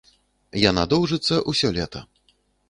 Яна доўжыцца ўсё лета.